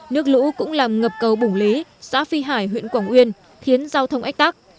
nước lũ cũng làm ngập cầu bùng lý xã phi hải huyện quảng uyên khiến giao thông ách tắc